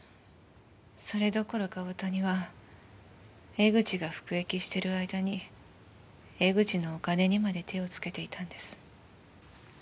それどころか大谷は江口が服役してる間に江口のお金にまで手をつけていたんです。